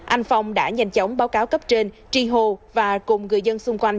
anh phong đã nhanh chóng báo cáo cấp trên tri hồ và cùng người dân xung quanh